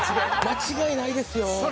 ◆間違いないですよ。